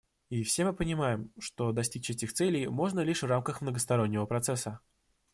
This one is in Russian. И все мы понимаем, что достичь этих целей можно лишь в рамках многостороннего процесса.